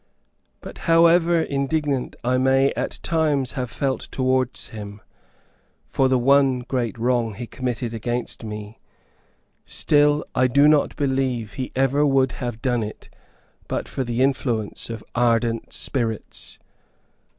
But however indignant I may at times have felt towards him, for the one great wrong he committed against me, still I do not believe he would ever have done it but for the influence of ardent spirits.